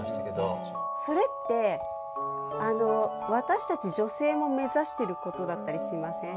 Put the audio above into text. それって、あの私たち女性も目指してることだったりしません？